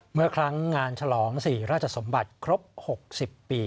เมื่อครั้งงานฉลองศรีราชสมบัติครบ๖๐ปี